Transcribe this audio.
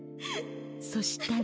そしたら。